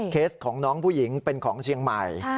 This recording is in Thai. เคสของน้องผู้หญิงเป็นของเชียงใหม่